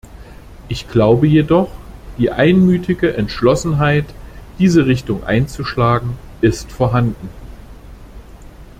Ich glaube jedoch, die einmütige Entschlossenheit, diese Richtung einzuschlagen, ist vorhanden.